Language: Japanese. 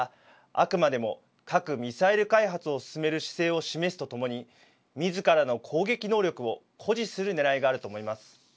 あくまでも核・ミサイル開発を進める姿勢を示すとともにみずからの攻撃能力を誇示するねらいがあると思います。